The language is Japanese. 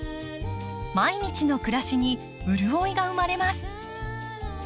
毎日の暮らしに潤いが生まれます。